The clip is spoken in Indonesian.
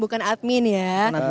bukan admin ya